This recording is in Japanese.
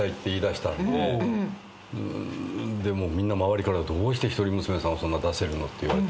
でもみんな周りから「どうして一人娘さんをそんな出せるの？」って言われて。